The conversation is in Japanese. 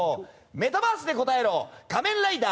メタバースで答えろ「仮面ライダー」